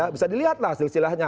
bisa dilihat lah silsilahnya